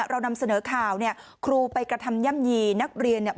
เรานำเสนอข่าวเนี่ยครูไปกระทำย่ำยีนักเรียนเนี่ย